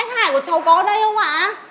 anh hải của cháu có ở đây không ạ